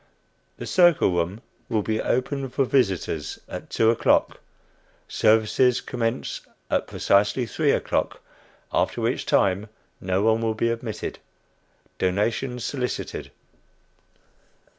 The circle room will be open for visitors at two o'clock; services commence at precisely three o'clock, after which time no one will be admitted. Donations solicited."